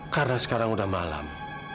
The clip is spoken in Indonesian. karena sekarang udah malam